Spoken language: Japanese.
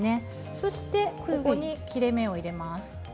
そして、切れ目を入れます。